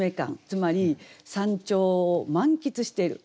つまり山頂を満喫している。